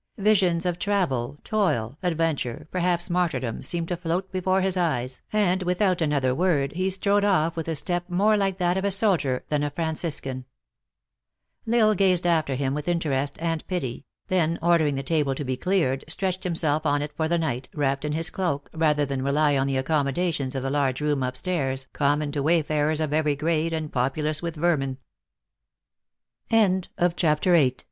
Visions of travel, toil, adventure, perhaps martyr dom, seemed to float before his eyes, and without an other w r ord, he strode off with a step more like that of a soldier than a Franciscan. L Isle gazed after him with interest and pity, then ordering the table to be cleared, stretched himself on it for the night, wrapped in his cloak, rather than rely on the accommodations of the large room up stai